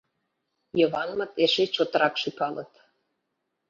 Йыванмыт эше чотрак шӱкалыт.